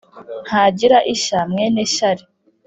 ntagira ishya mwene shyari